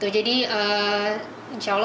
jadi insya allah